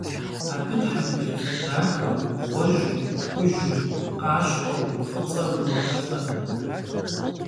Abı thembılıfe daxeu, ğueju, xuju, khaşxhueu, f'ıts'eu vurohelh'e.